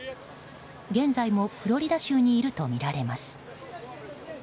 現在もフロリダ州にいるとみられます。